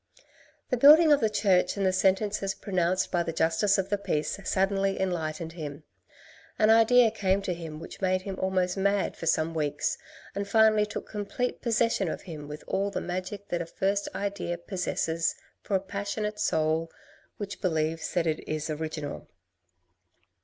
The building of the church and the sentences pronounced by the Justice of the Peace suddenly enlightened him. An idea came to him which made him almost mad for some weeks, and finally took complete possession of him with all the magic that a first idea possesses for a passionate soul which believes that it is original.